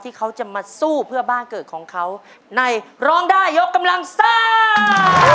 เขาจะมาสู้เพื่อบ้านเกิดของเขาในร้องได้ยกกำลังซ่า